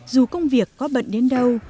dù công việc có bận đến đâu